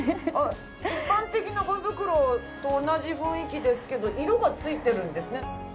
一般的なごみ袋と同じ雰囲気ですけど色が付いてるんですね。